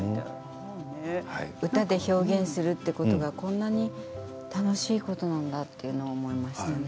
歌で表現するということがこんなに楽しいことなんだと思いましたね。